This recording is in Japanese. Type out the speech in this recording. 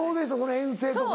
遠征とか。